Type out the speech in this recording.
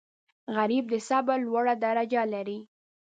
غریب د صبر لوړه درجه لري